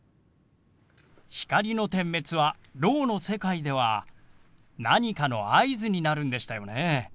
光の点滅はろうの世界では何かの合図になるんでしたよね。